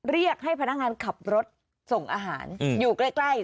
เรียกให้พนักงานขับรถส่งอาหารอยู่ใกล้